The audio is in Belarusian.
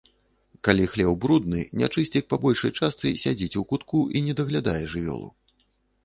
Калі хлеў брудны, нячысцік па большай частцы сядзіць у кутку і не даглядае жывёлу.